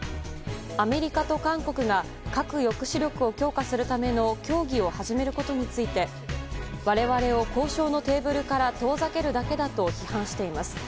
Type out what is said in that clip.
アメリカと韓国が核抑止力を強化するための協議を始めることについて我々を交渉のテーブルから遠ざけるだけだと批判しています。